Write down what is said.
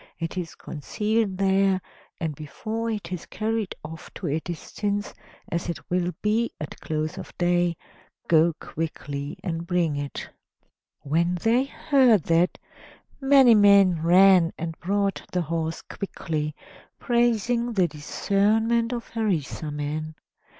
It is concealed there, and before it is carried off to a distance, as it will be at close of day, go quickly and bring it." When they heard that, many men ran and brought the horse quickly, praising the discernment of Harisarman.